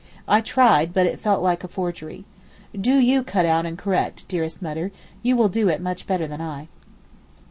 I tried, but it felt like a forgery. Do you cut out and correct, dearest Mutter, you will do it much better than I.